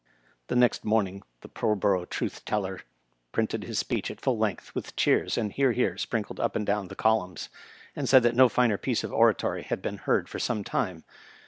The next morning " The Pullborough Truth Teller " printed his speech at full length, with "cheers" and "hear, hear" sprinkled up and down the columns, and said that no finer piece of oratory had been heard for some time.